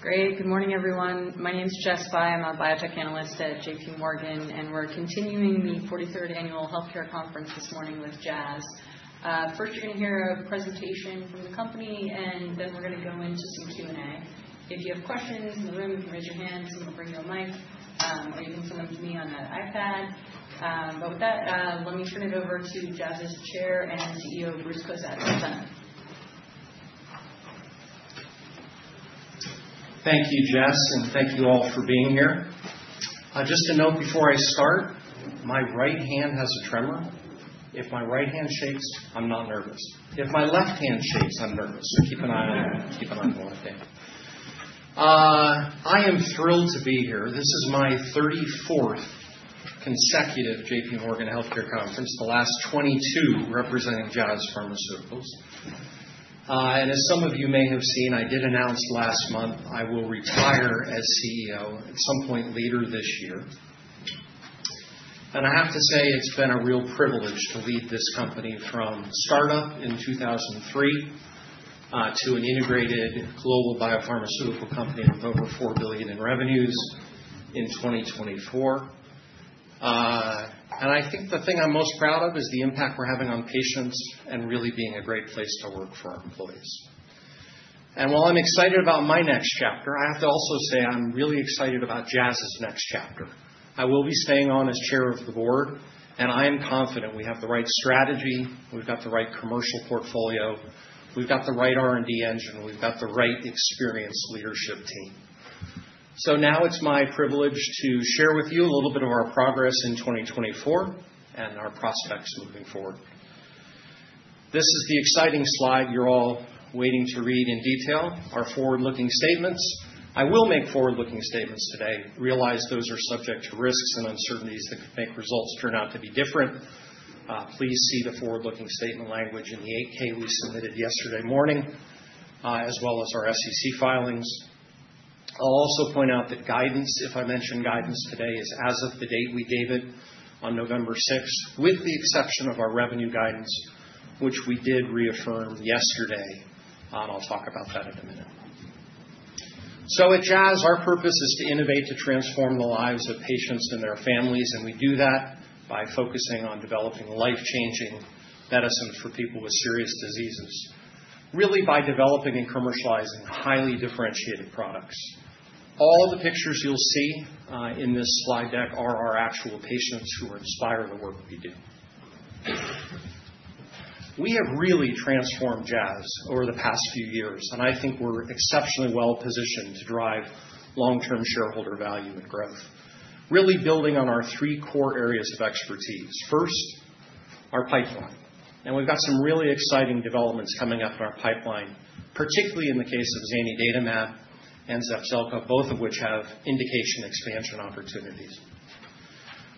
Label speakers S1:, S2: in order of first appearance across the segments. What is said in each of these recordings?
S1: Great. Good morning, everyone. My name's Jess Fye. I'm a biotech analyst at J.P. Morgan, and we're continuing the 43rd Annual Healthcare Conference this morning with Jazz. First, you're going to hear a presentation from the company, and then we're going to go into some Q&A. If you have questions in the room, you can raise your hand. Someone will bring you a mic, or you can send them to me on an iPad. But with that, let me turn it over to Jazz's Chair and CEO, Bruce Cozadd, please.
S2: Thank you, Jess, and thank you all for being here. Just a note before I start: my right hand has a tremor. If my right hand shakes, I'm not nervous. If my left hand shakes, I'm nervous. So keep an eye on that. Keep an eye on the left hand. I am thrilled to be here. This is my 34th consecutive J.P. Morgan Healthcare Conference, the last 22 representing Jazz Pharmaceuticals. And as some of you may have seen, I did announce last month I will retire as CEO at some point later this year. And I have to say it's been a real privilege to lead this company from startup in 2003 to an integrated global biopharmaceutical company with over $4 billion in revenues in 2024. And I think the thing I'm most proud of is the impact we're having on patients and really being a great place to work for our employees. And while I'm excited about my next chapter, I have to also say I'm really excited about Jazz's next chapter. I will be staying on as chair of the board, and I am confident we have the right strategy. We've got the right commercial portfolio. We've got the right R&D engine. We've got the right experienced leadership team. So now it's my privilege to share with you a little bit of our progress in 2024 and our prospects moving forward. This is the exciting slide you're all waiting to read in detail: our forward-looking statements. I will make forward-looking statements today. Realize those are subject to risks and uncertainties that could make results turn out to be different. Please see the forward-looking statement language in the 8-K we submitted yesterday morning, as well as our SEC filings. I'll also point out that guidance, if I mention guidance today, is as of the date we gave it on November 6th, with the exception of our revenue guidance, which we did reaffirm yesterday. And I'll talk about that in a minute. So at Jazz, our purpose is to innovate to transform the lives of patients and their families, and we do that by focusing on developing life-changing medicines for people with serious diseases, really by developing and commercializing highly differentiated products. All the pictures you'll see in this slide deck are our actual patients who inspire the work we do. We have really transformed Jazz over the past few years, and I think we're exceptionally well positioned to drive long-term shareholder value and growth, really building on our three core areas of expertise. First, our pipeline, and we've got some really exciting developments coming up in our pipeline, particularly in the case of zanidatamab and Zepzelca, both of which have indication expansion opportunities.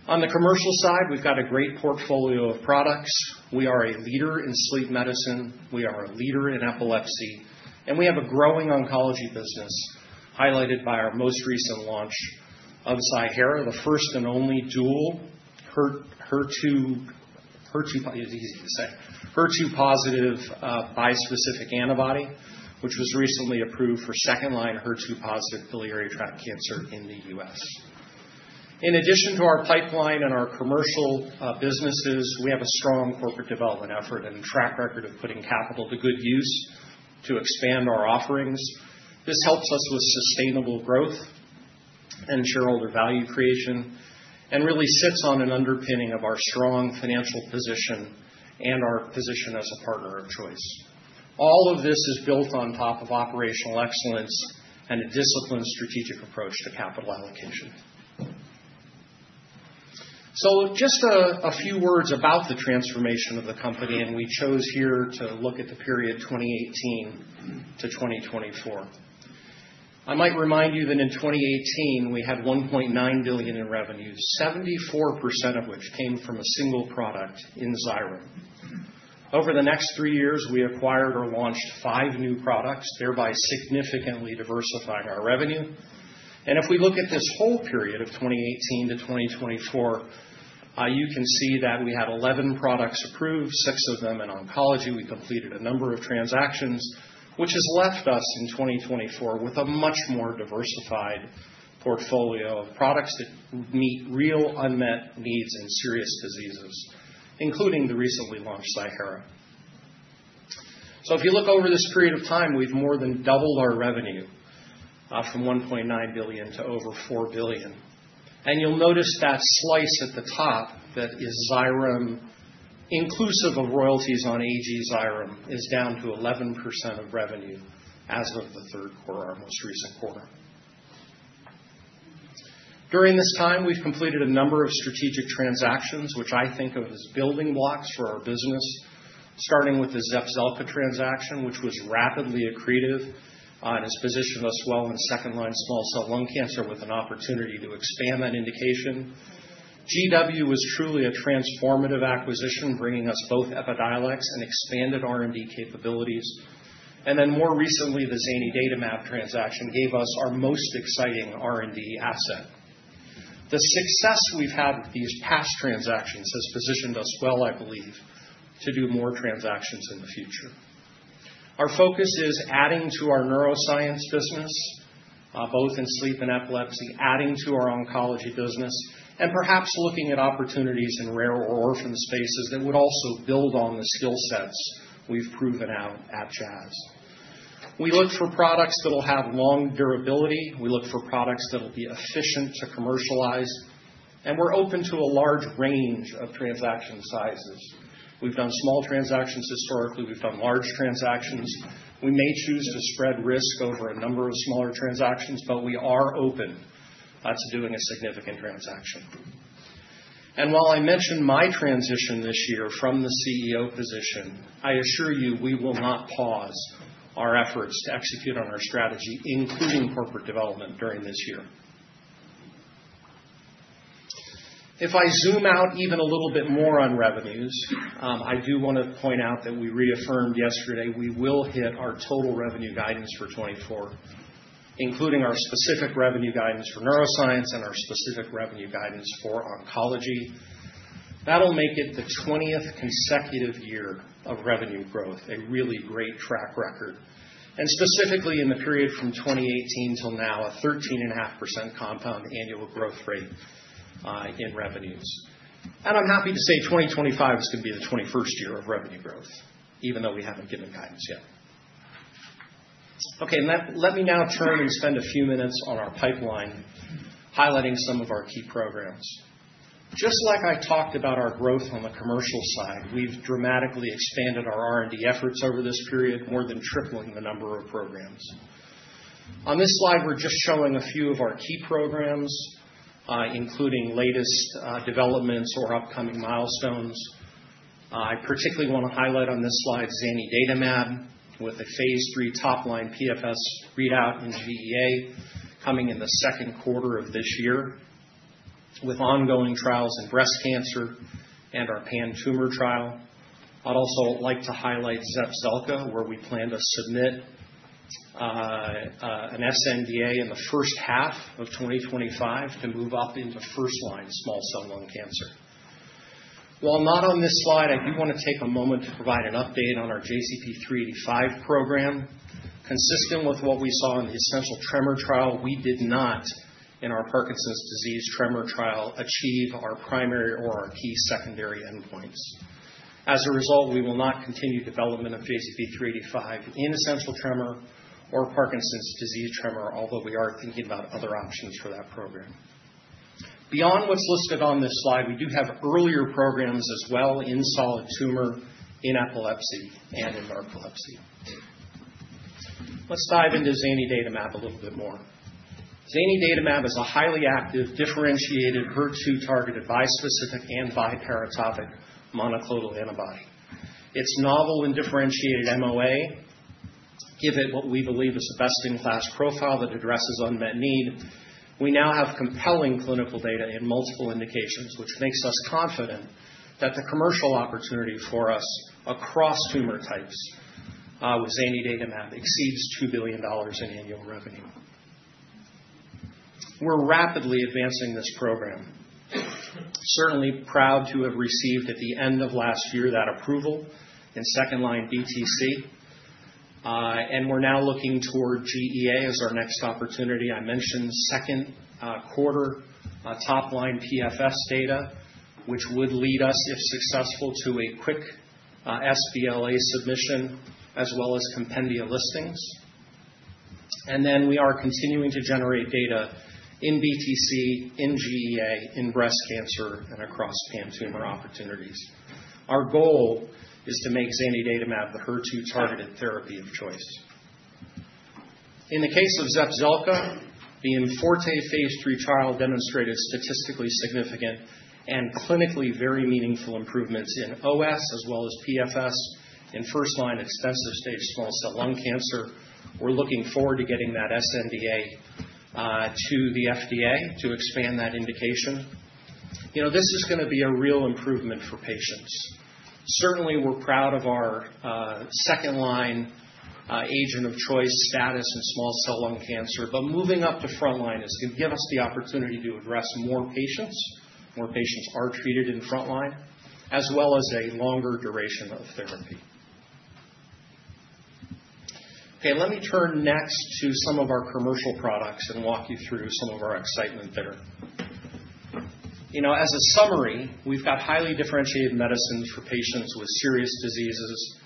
S2: On the commercial side, we've got a great portfolio of products. We are a leader in sleep medicine. We are a leader in epilepsy, and we have a growing oncology business highlighted by our most recent launch of Ziihera, the first and only dual HER2-positive bispecific antibody, which was recently approved for second-line HER2-positive biliary tract cancer in the US. In addition to our pipeline and our commercial businesses, we have a strong corporate development effort and track record of putting capital to good use to expand our offerings. This helps us with sustainable growth and shareholder value creation and really sits on an underpinning of our strong financial position and our position as a partner of choice. All of this is built on top of operational excellence and a disciplined strategic approach to capital allocation. So just a few words about the transformation of the company, and we chose here to look at the period 2018 to 2024. I might remind you that in 2018, we had $1.9 billion in revenue, 74% of which came from a single product in Xyrem. Over the next three years, we acquired or launched five new products, thereby significantly diversifying our revenue. If we look at this whole period of 2018 to 2024, you can see that we had 11 products approved, six of them in oncology. We completed a number of transactions, which has left us in 2024 with a much more diversified portfolio of products that meet real unmet needs in serious diseases, including the recently launched Ziihera. If you look over this period of time, we've more than doubled our revenue from $1.9 billion to over $4 billion. You'll notice that slice at the top that is Xyrem, inclusive of royalties on AG Xyrem, is down to 11% of revenue as of the third quarter, our most recent quarter. During this time, we've completed a number of strategic transactions, which I think of as building blocks for our business, starting with the Zepzelca transaction, which was rapidly accretive and has positioned us well in the second-line small cell lung cancer with an opportunity to expand that indication. GW was truly a transformative acquisition, bringing us both Epidiolex and expanded R&D capabilities, and then more recently, the zanidatamab transaction gave us our most exciting R&D asset. The success we've had with these past transactions has positioned us well, I believe, to do more transactions in the future. Our focus is adding to our neuroscience business, both in sleep and epilepsy, adding to our oncology business, and perhaps looking at opportunities in rare or orphan spaces that would also build on the skill sets we've proven out at Jazz. We look for products that will have long durability. We look for products that will be efficient to commercialize. And we're open to a large range of transaction sizes. We've done small transactions historically. We've done large transactions. We may choose to spread risk over a number of smaller transactions, but we are open to doing a significant transaction. And while I mentioned my transition this year from the CEO position, I assure you we will not pause our efforts to execute on our strategy, including corporate development during this year. If I zoom out even a little bit more on revenues, I do want to point out that we reaffirmed yesterday we will hit our total revenue guidance for 2024, including our specific revenue guidance for neuroscience and our specific revenue guidance for oncology. That'll make it the 20th consecutive year of revenue growth, a really great track record. And specifically in the period from 2018 till now, a 13.5% compound annual growth rate in revenues. And I'm happy to say 2025 is going to be the 21st year of revenue growth, even though we haven't given guidance yet. Okay. And let me now turn and spend a few minutes on our pipeline, highlighting some of our key programs. Just like I talked about our growth on the commercial side, we've dramatically expanded our R&D efforts over this period, more than tripling the number of programs. On this slide, we're just showing a few of our key programs, including latest developments or upcoming milestones. I particularly want to highlight on this slide zanidatamab with a phase three top-line PFS readout in GEA coming in the second quarter of this year, with ongoing trials in breast cancer and our pan-tumor trial. I'd also like to highlight Zepzelca, where we plan to submit an sNDA in the first half of 2025 to move up into first-line small cell lung cancer. While not on this slide, I do want to take a moment to provide an update on our JZP-385 program. Consistent with what we saw in the essential tremor trial, we did not, in our Parkinson's disease tremor trial, achieve our primary or our key secondary endpoints. As a result, we will not continue development of JZP-385 in essential tremor or Parkinson's disease tremor, although we are thinking about other options for that program. Beyond what's listed on this slide, we do have earlier programs as well in solid tumor, in epilepsy, and in narcolepsy. Let's dive into zanidatamab a little bit more. Zanidatamab is a highly active, differentiated HER2-targeted bispecific and biparatopic monoclonal antibody. Its novel and differentiated MOA give it what we believe is the best-in-class profile that addresses unmet need. We now have compelling clinical data in multiple indications, which makes us confident that the commercial opportunity for us across tumor types with zanidatamab exceeds $2 billion in annual revenue. We're rapidly advancing this program. Certainly proud to have received at the end of last year that approval in second-line BTC. And we're now looking toward GEA as our next opportunity. I mentioned second quarter top-line PFS data, which would lead us, if successful, to a quick sBLA submission as well as compendia listings. And then we are continuing to generate data in BTC, in GEA, in breast cancer, and across pan-tumor opportunities. Our goal is to make zanidatamab the HER2-targeted therapy of choice. In the case of Zepzelca, the IMforte phase 3 trial demonstrated statistically significant and clinically very meaningful improvements in OS as well as PFS in first-line extensive stage small cell lung cancer. We're looking forward to getting that sNDA to the FDA to expand that indication. This is going to be a real improvement for patients. Certainly, we're proud of our second-line agent of choice status in small cell lung cancer, but moving up to front line is going to give us the opportunity to address more patients. More patients are treated in front line, as well as a longer duration of therapy. Okay. Let me turn next to some of our commercial products and walk you through some of our excitement there. As a summary, we've got highly differentiated medicines for patients with serious diseases,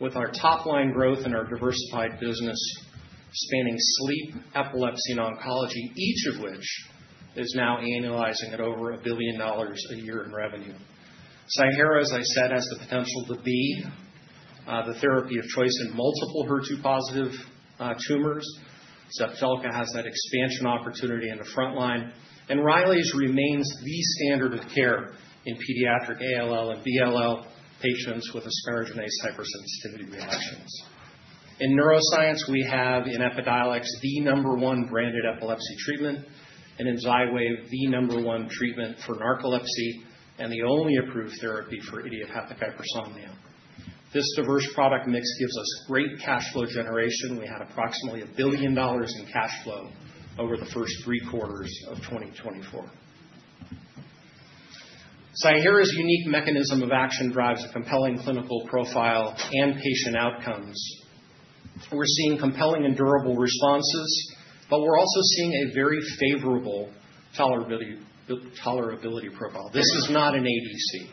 S2: with our top-line growth and our diversified business spanning sleep, epilepsy, and oncology, each of which is now annualizing at over $1 billion a year in revenue. Ziihera, as I said, has the potential to be the therapy of choice in multiple HER2-positive tumors. Zepzelca has that expansion opportunity in the front line. And Rylaze remains the standard of care in pediatric ALL and LBL patients with asparaginase hypersensitivity reactions. In neuroscience, we have in Epidiolex the number one branded epilepsy treatment, and in Xywav, the number one treatment for narcolepsy and the only approved therapy for idiopathic hypersomnia. This diverse product mix gives us great cash flow generation. We had approximately $1 billion in cash flow over the first three quarters of 2024. Ziihera's unique mechanism of action drives a compelling clinical profile and patient outcomes. We're seeing compelling and durable responses, but we're also seeing a very favorable tolerability profile. This is not an ADC,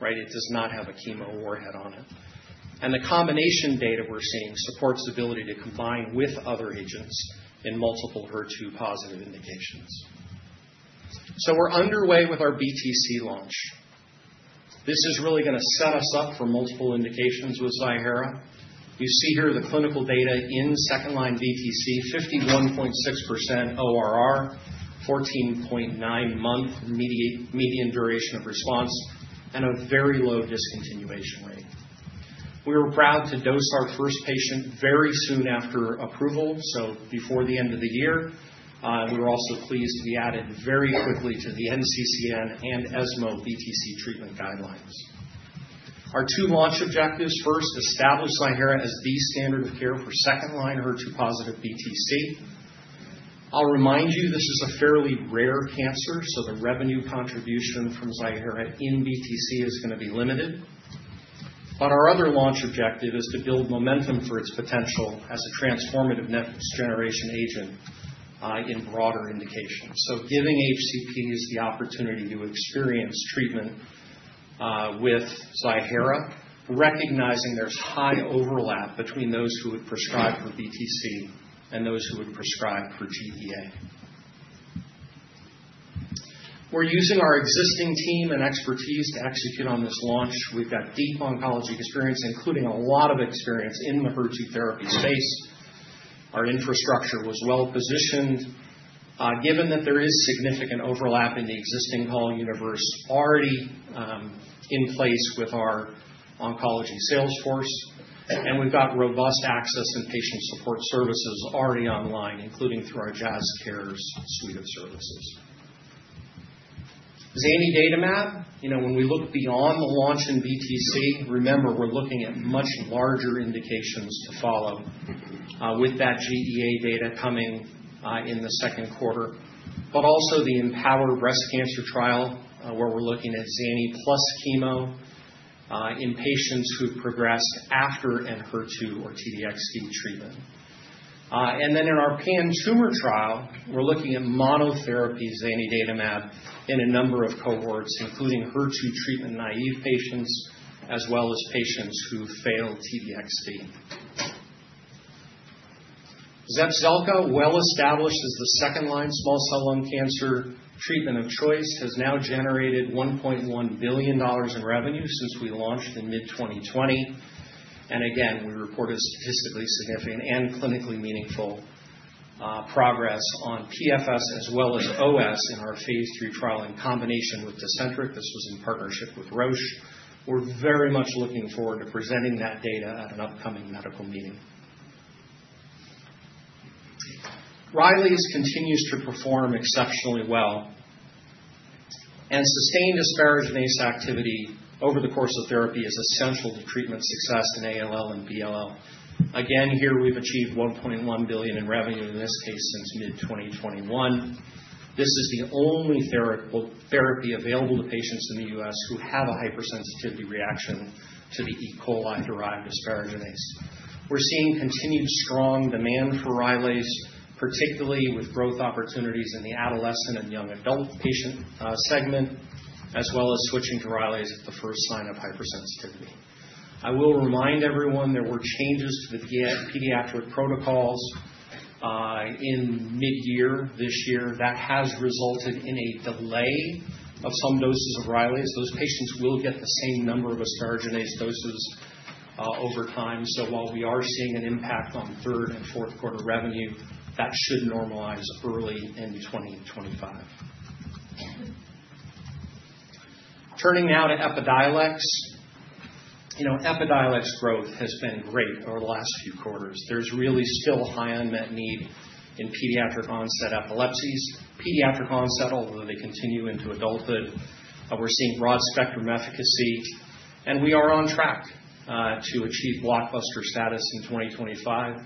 S2: right? It does not have a chemo warhead on it, and the combination data we're seeing supports the ability to combine with other agents in multiple HER2-positive indications, so we're underway with our BTC launch. This is really going to set us up for multiple indications with Ziihera. You see here the clinical data in second-line BTC: 51.6% ORR, 14.9-month median duration of response, and a very low discontinuation rate. We are proud to dose our first patient very soon after approval, so before the end of the year. We're also pleased to be added very quickly to the NCCN and ESMO BTC treatment guidelines. Our two launch objectives: first, establish Ziihera as the standard of care for second-line HER2-positive BTC. I'll remind you, this is a fairly rare cancer, so the revenue contribution from Ziihera in BTC is going to be limited. But our other launch objective is to build momentum for its potential as a transformative next-generation agent in broader indications. So giving HCPs the opportunity to experience treatment with Ziihera, recognizing there's high overlap between those who would prescribe for BTC and those who would prescribe for GEA. We're using our existing team and expertise to execute on this launch. We've got deep oncology experience, including a lot of experience in the HER2 therapy space. Our infrastructure was well positioned, given that there is significant overlap in the existing calling universe already in place with our oncology salesforce. We've got robust access and patient support services already online, including through our Jazz Cares suite of services. Zanidatamab, when we look beyond the launch in BTC, remember we're looking at much larger indications to follow with that GEA data coming in the second quarter, but also the EmpowHER breast cancer trial where we're looking at zanidatamab plus chemo in patients who've progressed after an HER2 or T-DXd treatment. And then in our pan-tumor trial, we're looking at monotherapy zanidatamab in a number of cohorts, including HER2 treatment naive patients as well as patients who fail T-DXd. Zepzelca, well established as the second-line small cell lung cancer treatment of choice, has now generated $1.1 billion in revenue since we launched in mid-2020. And again, we reported statistically significant and clinically meaningful progress on PFS as well as OS in our phase three trial in combination with Tecentriq. This was in partnership with Roche. We're very much looking forward to presenting that data at an upcoming medical meeting. Rylaze continues to perform exceptionally well, and sustained asparaginase activity over the course of therapy is essential to treatment success in ALL and LBL. Again, here we've achieved $1.1 billion in revenue in this case since mid-2021. This is the only therapy available to patients in the U.S. who have a hypersensitivity reaction to the E. coli-derived asparaginase. We're seeing continued strong demand for Rylaze, particularly with growth opportunities in the adolescent and young adult patient segment, as well as switching to Rylaze at the first sign of hypersensitivity. I will remind everyone there were changes to the pediatric protocols in mid-year this year. That has resulted in a delay of some doses of Rylaze. Those patients will get the same number of asparaginase doses over time. So while we are seeing an impact on third and fourth quarter revenue, that should normalize early in 2025. Turning now to Epidiolex. Epidiolex growth has been great over the last few quarters. There's really still high unmet need in pediatric onset epilepsies. Pediatric onset, although they continue into adulthood, we're seeing broad spectrum efficacy. And we are on track to achieve blockbuster status in 2025.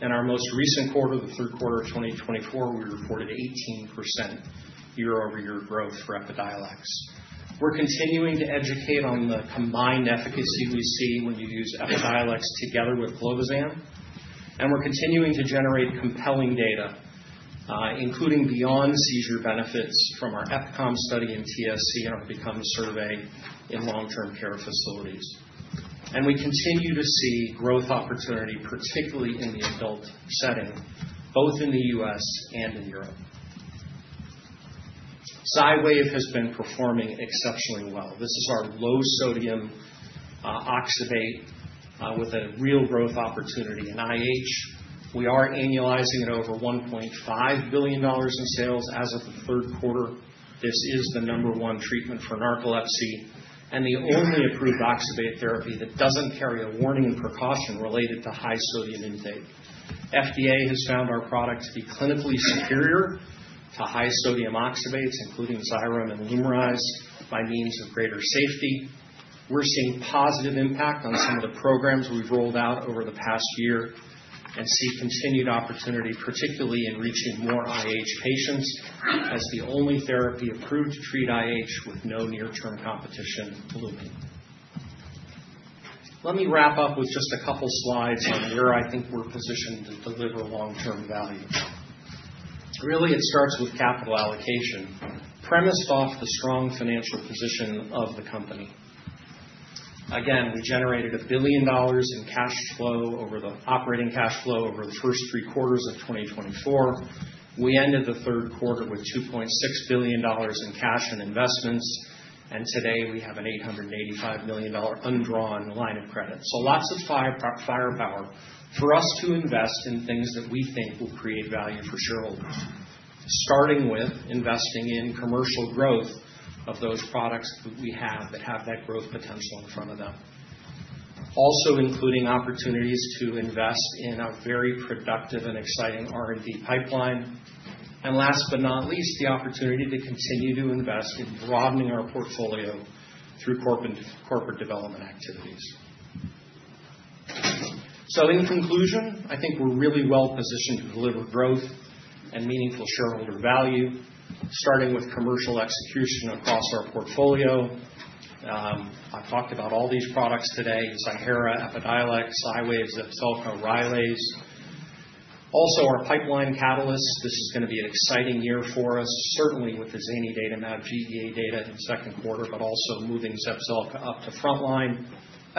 S2: In our most recent quarter, the third quarter of 2024, we reported 18% year-over-year growth for Epidiolex. We're continuing to educate on the combined efficacy we see when you use Epidiolex together with clobazam. And we're continuing to generate compelling data, including beyond seizure benefits from our EPIC study in TSC and our BECOME survey in long-term care facilities. And we continue to see growth opportunity, particularly in the adult setting, both in the U.S. and in Europe. Xywav has been performing exceptionally well. This is our low-sodium oxybate with a real growth opportunity in IH. We are annualizing at over $1.5 billion in sales as of the third quarter. This is the number one treatment for narcolepsy and the only approved oxybate therapy that doesn't carry a warning and precaution related to high sodium intake. FDA has found our product to be clinically superior to high-sodium oxybates, including Xyrem and Lumryz, by means of greater safety. We're seeing positive impact on some of the programs we've rolled out over the past year and see continued opportunity, particularly in reaching more IH patients as the only therapy approved to treat IH with no near-term competition looming. Let me wrap up with just a couple of slides on where I think we're positioned to deliver long-term value. Really, it starts with capital allocation, premised off the strong financial position of the company. Again, we generated $1 billion in operating cash flow over the first three quarters of 2024. We ended the third quarter with $2.6 billion in cash and investments and today we have an $885 million undrawn line of credit, so lots of firepower for us to invest in things that we think will create value for shareholders, starting with investing in commercial growth of those products that we have that have that growth potential in front of them. Also including opportunities to invest in a very productive and exciting R&D pipeline and last but not least, the opportunity to continue to invest in broadening our portfolio through corporate development activities, so in conclusion, I think we're really well positioned to deliver growth and meaningful shareholder value, starting with commercial execution across our portfolio. I've talked about all these products today: Ziihera, Epidiolex, Xywav, Zepzelca, Rylaze. Also, our pipeline catalysts. This is going to be an exciting year for us, certainly with the zanidatamab GEA data in the second quarter, but also moving Zepzelca up to front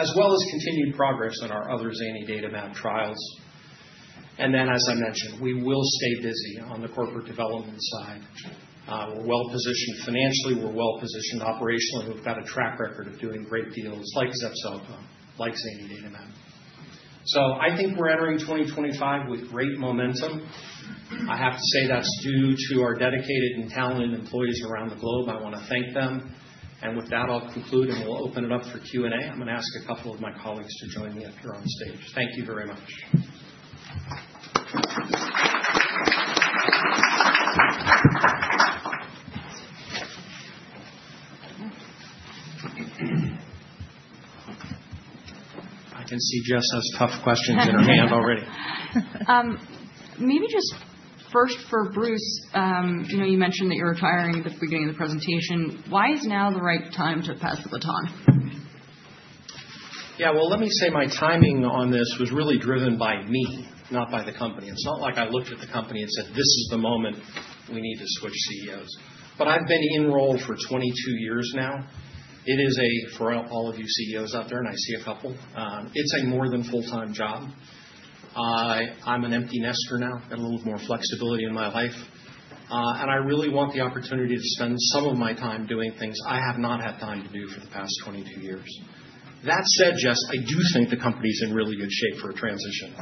S2: line, as well as continued progress in our other zanidatamab trials. And then, as I mentioned, we will stay busy on the corporate development side. We're well positioned financially. We're well positioned operationally. We've got a track record of doing great deals like zepzelca, like zanidatamab. So I think we're entering 2025 with great momentum. I have to say that's due to our dedicated and talented employees around the globe. I want to thank them. And with that, I'll conclude, and we'll open it up for Q&A. I'm going to ask a couple of my colleagues to join me up here on stage. Thank you very much. I can see Jess has tough questions in her hand already. Maybe just first for Bruce, you mentioned that you're retiring at the beginning of the presentation. Why is now the right time to pass the baton? Yeah. Well, let me say my timing on this was really driven by me, not by the company. It's not like I looked at the company and said, "This is the moment we need to switch CEOs." But I've been enrolled for 22 years now. It is a, for all of you CEOs out there, and I see a couple, it's a more than full-time job. I'm an empty nester now. I've got a little more flexibility in my life. And I really want the opportunity to spend some of my time doing things I have not had time to do for the past 22 years. That said, Jess, I do think the company's in really good shape for a transition.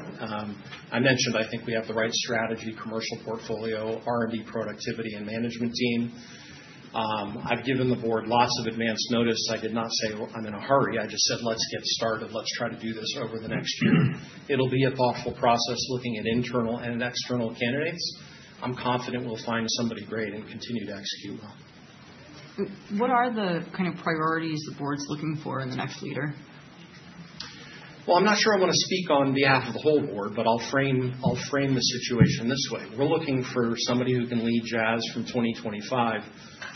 S2: I mentioned I think we have the right strategy, commercial portfolio, R&D productivity, and management team. I've given the board lots of advanced notice. I did not say I'm in a hurry. I just said, "Let's get started. Let's try to do this over the next year." It'll be a thoughtful process looking at internal and external candidates. I'm confident we'll find somebody great and continue to execute well. What are the kind of priorities the board's looking for in the next leader? Well, I'm not sure I want to speak on behalf of the whole board, but I'll frame the situation this way. We're looking for somebody who can lead Jazz from 2025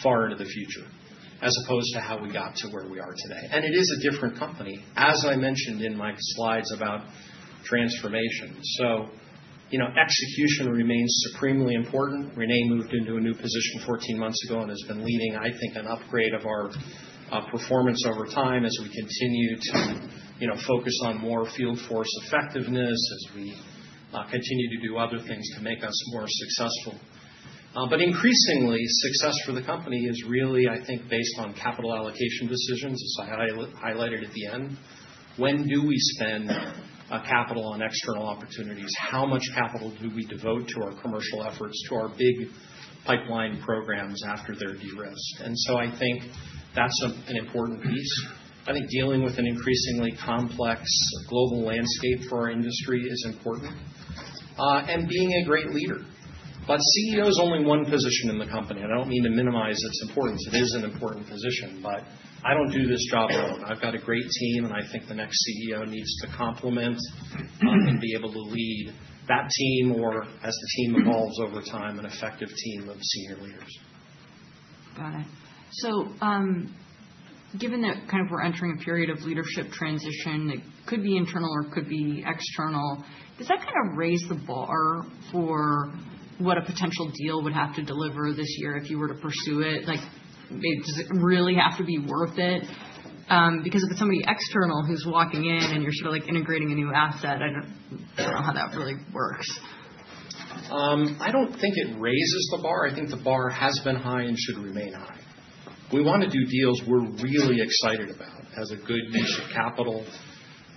S2: far into the future, as opposed to how we got to where we are today. It is a different company, as I mentioned in my slides about transformation. So execution remains supremely important. Renée moved into a new position 14 months ago and has been leading, I think, an upgrade of our performance over time as we continue to focus on more field force effectiveness, as we continue to do other things to make us more successful. But increasingly, success for the company is really, I think, based on capital allocation decisions, as I highlighted at the end. When do we spend capital on external opportunities? How much capital do we devote to our commercial efforts, to our big pipeline programs after they're de-risked? And so I think that's an important piece. I think dealing with an increasingly complex global landscape for our industry is important and being a great leader. But CEO is only one position in the company. I don't mean to minimize its importance. It is an important position. I don't do this job alone. I've got a great team, and I think the next CEO needs to complement and be able to lead that team or, as the team evolves over time, an effective team of senior leaders. Got it. Given that kind of we're entering a period of leadership transition that could be internal or could be external, does that kind of raise the bar for what a potential deal would have to deliver this year if you were to pursue it? Does it really have to be worth it? Because if it's somebody external who's walking in and you're sort of integrating a new asset, I don't know how that really works. I don't think it raises the bar. I think the bar has been high and should remain high. We want to do deals we're really excited about as a good use of capital,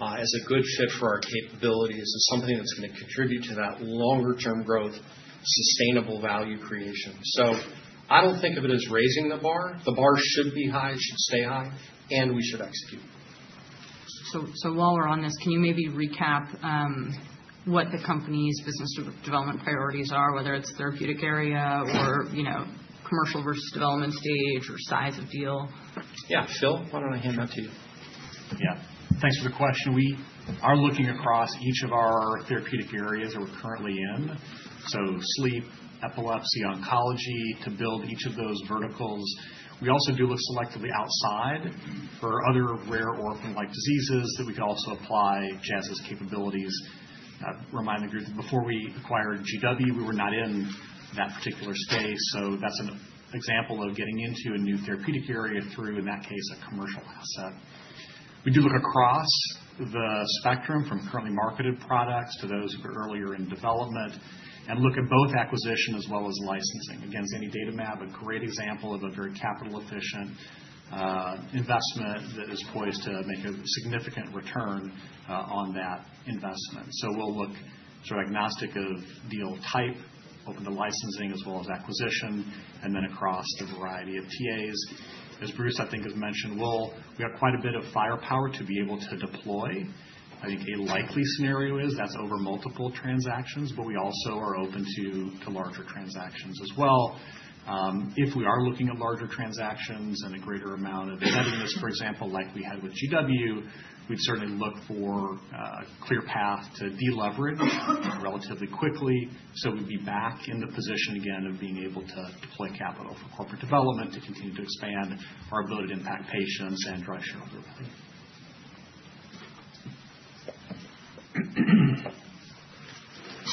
S2: as a good fit for our capabilities, as something that's going to contribute to that longer-term growth, sustainable value creation. So I don't think of it as raising the bar. The bar should be high. It should stay high. And we should execute. So while we're on this, can you maybe recap what the company's business development priorities are, whether it's therapeutic area or commercial versus development stage or size of deal? Yeah. Phil, why don't I hand that to you? Yeah. Thanks for the question. We are looking across each of our therapeutic areas that we're currently in. So sleep, epilepsy, oncology to build each of those verticals. We also do look selectively outside for other rare orphan-like diseases that we can also apply Jazz's capabilities. Remind the group that before we acquired GW, we were not in that particular space. So that's an example of getting into a new therapeutic area through, in that case, a commercial asset. We do look across the spectrum from currently marketed products to those that are earlier in development and look at both acquisition as well as licensing. Again, zanidatamab, a great example of a very capital-efficient investment that is poised to make a significant return on that investment. So we'll look sort of agnostic of deal type over the licensing as well as acquisition and then across the variety of TAs. As Bruce, I think, has mentioned, we have quite a bit of firepower to be able to deploy. I think a likely scenario is that's over multiple transactions, but we also are open to larger transactions as well. If we are looking at larger transactions and a greater amount of heaviness, for example, like we had with GW, we'd certainly look for a clear path to deleverage relatively quickly. So we'd be back in the position again of being able to deploy capital for corporate development to continue to expand our ability to impact patients and drive shareholder value.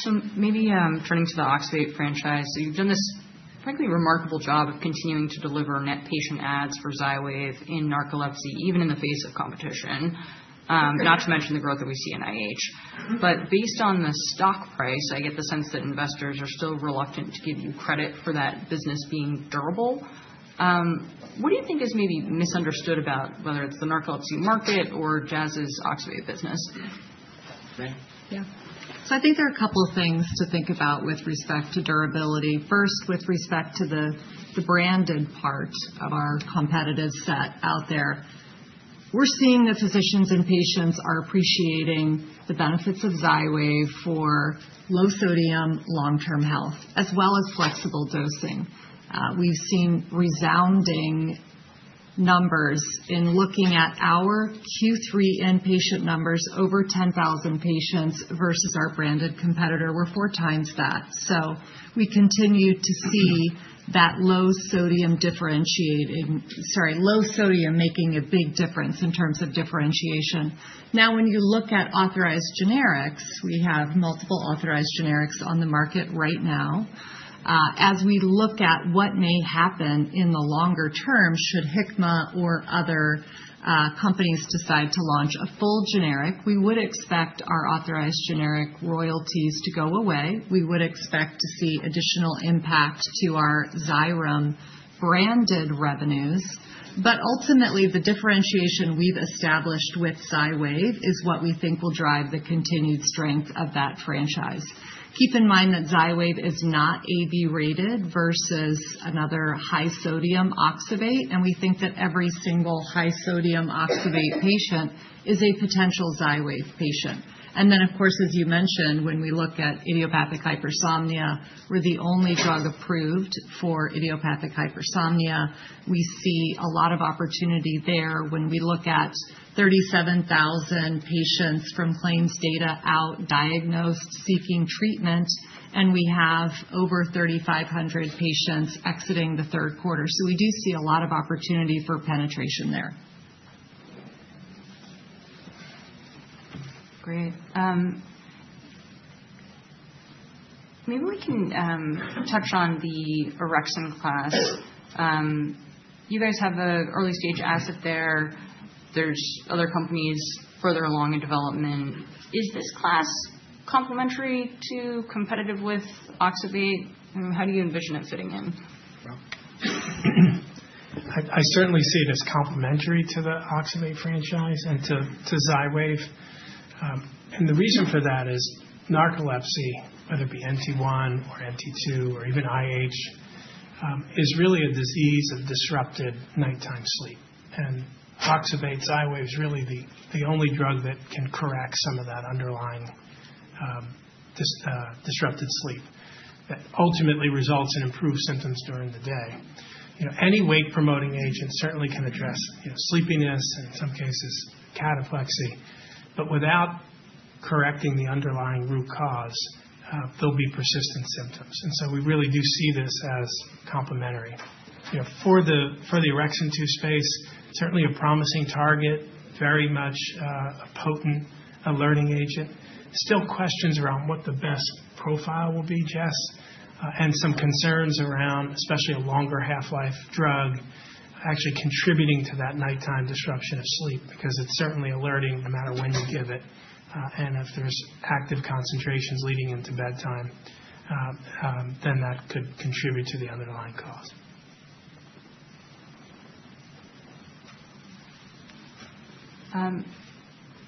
S2: So maybe turning to the oxybate franchise. So you've done this frankly remarkable job of continuing to deliver net patient adds for Xywav in narcolepsy, even in the face of competition, not to mention the growth that we see in IH. But based on the stock price, I get the sense that investors are still reluctant to give you credit for that business being durable. What do you think is maybe misunderstood about whether it's the narcolepsy market or Jazz's oxybate business? Renée? Yeah. I think there are a couple of things to think about with respect to durability. First, with respect to the branded part of our competitive set out there, we're seeing that physicians and patients are appreciating the benefits of Xywav for low-sodium long-term health as well as flexible dosing. We've seen resounding numbers in looking at our Q3 in-market numbers over 10,000 patients versus our branded competitor. We're four times that. We continue to see that low-sodium differentiating, sorry, low-sodium making a big difference in terms of differentiation. Now, when you look at authorized generics, we have multiple authorized generics on the market right now. As we look at what may happen in the longer term, should Hikma or other companies decide to launch a full generic, we would expect our authorized generic royalties to go away. We would expect to see additional impact to our Xyrem branded revenues. But ultimately, the differentiation we've established with Xywav is what we think will drive the continued strength of that franchise. Keep in mind that Xywav is not AB rated versus another high-sodium oxybate. And we think that every single high-sodium oxybate patient is a potential Xywav patient. And then, of course, as you mentioned, when we look at idiopathic hypersomnia, we're the only drug approved for idiopathic hypersomnia. We see a lot of opportunity there when we look at 37,000 patients from claims data undiagnosed seeking treatment, and we have over 3,500 patients exiting the third quarter. So we do see a lot of opportunity for penetration there. Great. Maybe we can touch on the orexin class. You guys have an early-stage asset there. There's other companies further along in development. Is this class complementary to competitive with oxybate? How do you envision it fitting in? I certainly see it as complementary to the oxybate franchise and to Xywav. The reason for that is narcolepsy, whether it be NT1 or NT2 or even IH, is really a disease of disrupted nighttime sleep. Oxybate, Xywav is really the only drug that can correct some of that underlying disrupted sleep that ultimately results in improved symptoms during the day. Any wake-promoting agent certainly can address sleepiness and, in some cases, cataplexy. Without correcting the underlying root cause, there'll be persistent symptoms. We really do see this as complementary. For the orexin space, certainly a promising target, very much a potent alerting agent. Still questions around what the best profile will be, Jess, and some concerns around, especially a longer half-life drug, actually contributing to that nighttime disruption of sleep because it's certainly alerting no matter when you give it. And if there's active concentrations leading into bedtime, then that could contribute to the underlying cause.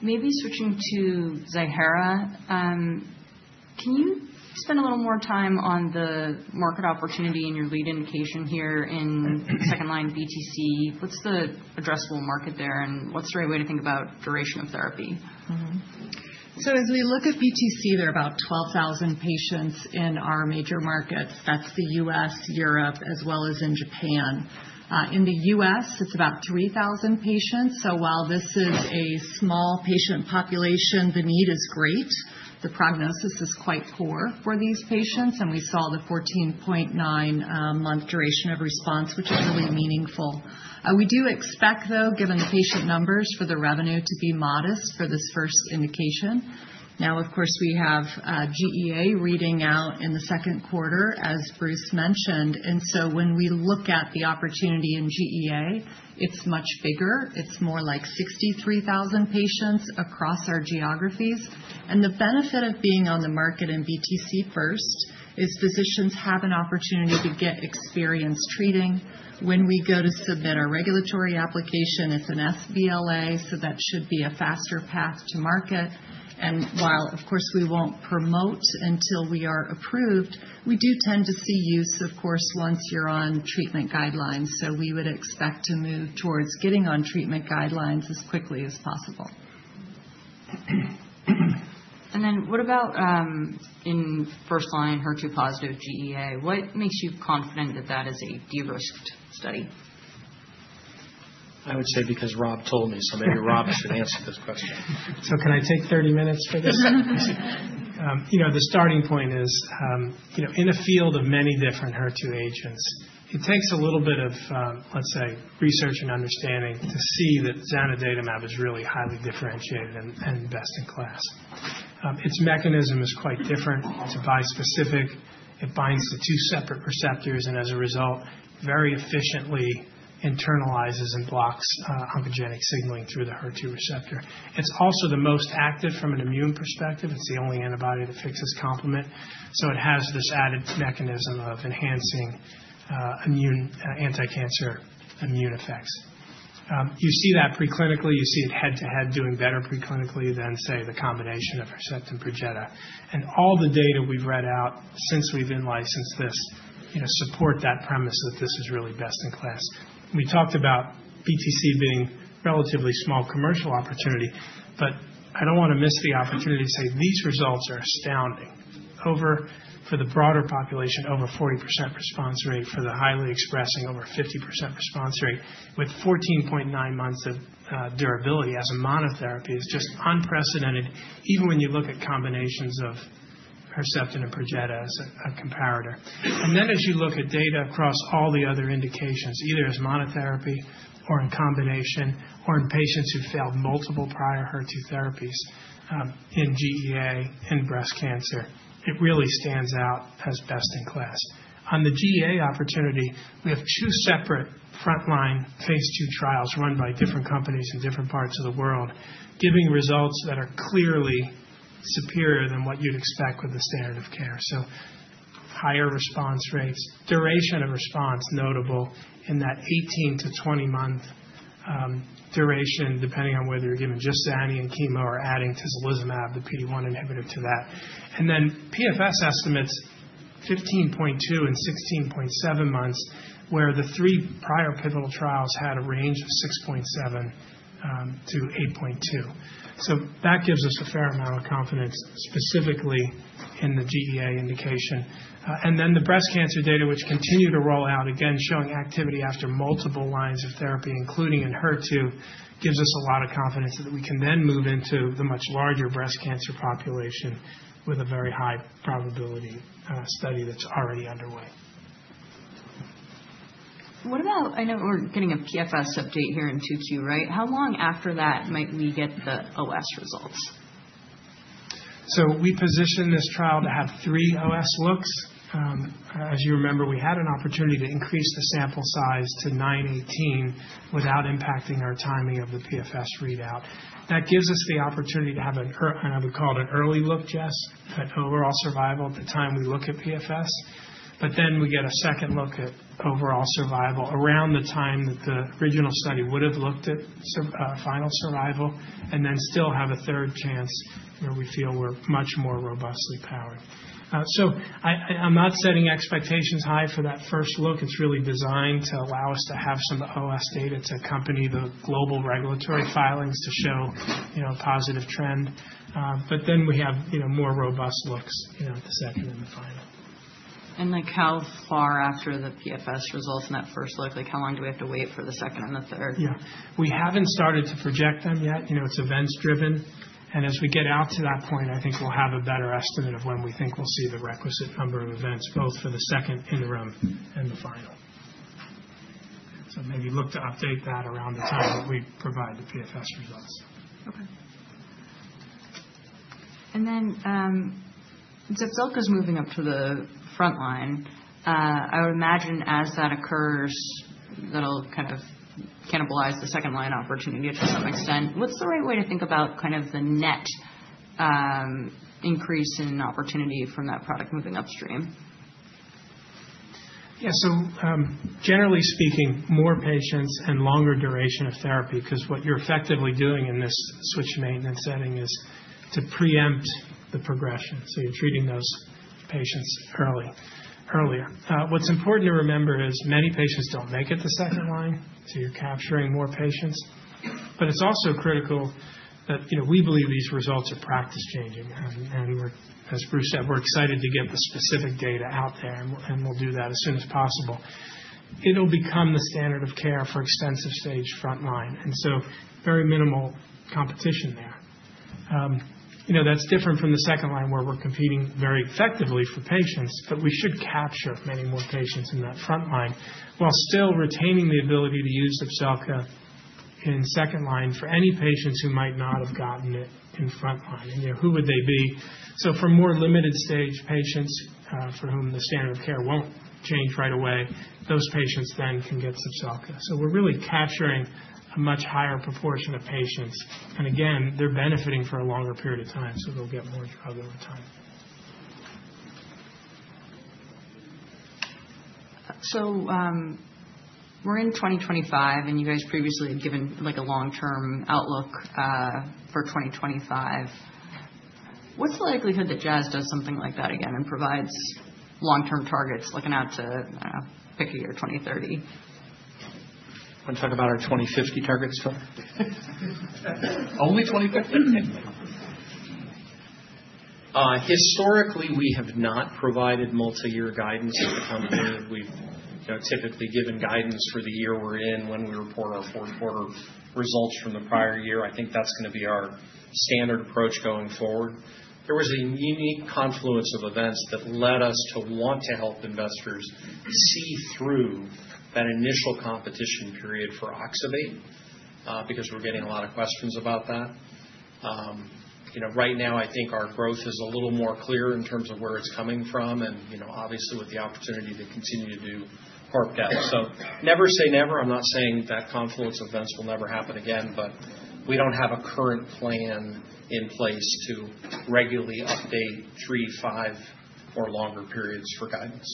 S2: Maybe switching to Ziihera, can you spend a little more time on the market opportunity in your lead indication here in second-line BTC? What's the addressable market there, and what's the right way to think about duration of therapy? So as we look at BTC, there are about 12,000 patients in our major markets. That's the U.S., Europe, as well as in Japan. In the U.S., it's about 3,000 patients. So while this is a small patient population, the need is great. The prognosis is quite poor for these patients. And we saw the 14.9-month duration of response, which is really meaningful. We do expect, though, given the patient numbers for the revenue, to be modest for this first indication. Now, of course, we have GEA reading out in the second quarter, as Bruce mentioned. And so when we look at the opportunity in GEA, it's much bigger. It's more like 63,000 patients across our geographies. And the benefit of being on the market in BTC first is physicians have an opportunity to get experience treating. When we go to submit our regulatory application, it's an sBLA, so that should be a faster path to market. And while, of course, we won't promote until we are approved, we do tend to see use, of course, once you're on treatment guidelines. So we would expect to move towards getting on treatment guidelines as quickly as possible. And then what about in first-line HER2-positive GEA? What makes you confident that that is a de-risked study? I would say because Rob told me, so maybe Rob should answer this question. Can I take 30 minutes for this? The starting point is, in a field of many different HER2 agents, it takes a little bit of, let's say, research and understanding to see that zanidatamab is really highly differentiated and best in class. Its mechanism is quite different. It's bispecific. It binds to two separate receptors and, as a result, very efficiently internalizes and blocks oncogenic signaling through the HER2 receptor. It's also the most active from an immune perspective. It's the only antibody that fixes complement. So it has this added mechanism of enhancing anti-cancer immune effects. You see that preclinically. You see it head-to-head doing better preclinically than, say, the combination of Herceptin and Perjeta. All the data we've read out since we've been licensed this support that premise that this is really best in class. We talked about BTC being relatively small commercial opportunity, but I don't want to miss the opportunity to say these results are astounding. For the broader population, over 40% response rate. For the highly expressing, over 50% response rate with 14.9 months of durability as a monotherapy is just unprecedented, even when you look at combinations of Herceptin and Perjeta as a comparator. And then as you look at data across all the other indications, either as monotherapy or in combination or in patients who failed multiple prior HER2 therapies in GEA and breast cancer, it really stands out as best in class. On the GEA opportunity, we have two separate front-line phase two trials run by different companies in different parts of the world, giving results that are clearly superior than what you'd expect with the standard of care. Higher response rates, duration of response notable in that 18-20-month duration, depending on whether you're giving just zanidatamab and chemo or adding tislelizumab, the PD-1 inhibitor to that. And then PFS estimates 15.2 and 16.7 months, where the three prior pivotal trials had a range of 6.7-8.2. That gives us a fair amount of confidence, specifically in the GEA indication. And then the breast cancer data, which continue to roll out, again, showing activity after multiple lines of therapy, including in HER2, gives us a lot of confidence that we can then move into the much larger breast cancer population with a very high probability study that's already underway. I know we're getting a PFS update here in 2Q, right? How long after that might we get the OS results? We positioned this trial to have three OS looks. As you remember, we had an opportunity to increase the sample size to 918 without impacting our timing of the PFS readout. That gives us the opportunity to have an, I would call it, an early look, Jess, at overall survival at the time we look at PFS. But then we get a second look at overall survival around the time that the original study would have looked at final survival and then still have a third chance where we feel we're much more robustly powered. So I'm not setting expectations high for that first look. It's really designed to allow us to have some OS data to accompany the global regulatory filings to show a positive trend. But then we have more robust looks at the second and the final. And how far after the PFS results in that first look? How long do we have to wait for the second and the third? Yeah. We haven't started to project them yet. It's events-driven. And as we get out to that point, I think we'll have a better estimate of when we think we'll see the requisite number of events, both for the second interim and the final. So maybe look to update that around the time that we provide the PFS results. Okay. And then if Zepzelca goes moving up to the front line, I would imagine as that occurs, that'll kind of cannibalize the second-line opportunity to some extent. What's the right way to think about kind of the net increase in opportunity from that product moving upstream? Yeah. So generally speaking, more patients and longer duration of therapy because what you're effectively doing in this switched maintenance setting is to preempt the progression. You're treating those patients earlier. What's important to remember is many patients don't make it to second line, so you're capturing more patients. It's also critical that we believe these results are practice-changing. As Bruce said, we're excited to get the specific data out there, and we'll do that as soon as possible. It'll become the standard of care for extensive stage front line. Very minimal competition there. That's different from the second line where we're competing very effectively for patients, but we should capture many more patients in that front line while still retaining the ability to use Zepzelca in second line for any patients who might not have gotten it in front line. Who would they be? For more limited stage patients for whom the standard of care won't change right away, those patients then can get Zepzelca. So we're really capturing a much higher proportion of patients. And again, they're benefiting for a longer period of time, so they'll get more drug over time. So we're in 2025, and you guys previously had given a long-term outlook for 2025. What's the likelihood that Jazz does something like that again and provides long-term targets like an out to, I don't know, 50 or 2030? Want to talk about our 2050 targets still? Only 2050? Historically, we have not provided multi-year guidance as a company. We've typically given guidance for the year we're in when we report our fourth-quarter results from the prior year. I think that's going to be our standard approach going forward. There was a unique confluence of events that led us to want to help investors see through that initial competition period for oxybate because we're getting a lot of questions about that. Right now, I think our growth is a little more clear in terms of where it's coming from and, obviously, with the opportunity to continue to do corp dev. So never say never. I'm not saying that confluence of events will never happen again, but we don't have a current plan in place to regularly update three, five, or longer periods for guidance.